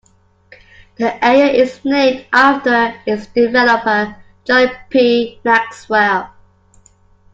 The area is named after its developer, John P. Maxwell.